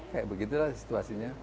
kayak begitulah situasinya